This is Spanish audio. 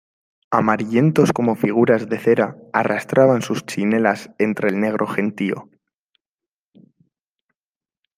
amarillentos como figuras de cera, arrastraban sus chinelas entre el negro gentío